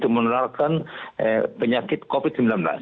menularkan penyakit covid sembilan belas